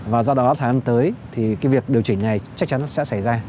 và do đó tháng năm tới thì cái việc điều chỉnh này chắc chắn sẽ xảy ra